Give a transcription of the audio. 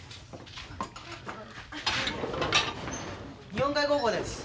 日本海高校です。